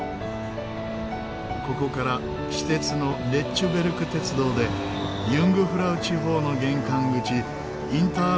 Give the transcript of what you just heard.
ここから私鉄のレッチュベルク鉄道でユングフラウ地方の玄関口インター